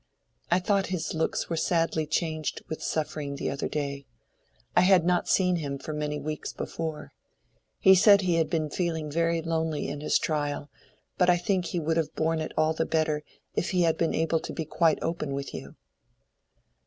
"I thought his looks were sadly changed with suffering the other day. I had not seen him for many weeks before. He said he had been feeling very lonely in his trial; but I think he would have borne it all better if he had been able to be quite open with you."